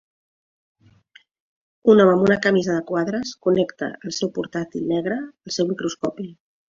Un home amb una camisa de quadres connecta el seu portàtil negre al seu microscopi.